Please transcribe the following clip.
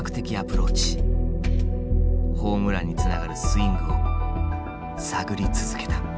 ホームランにつながるスイングを探り続けた。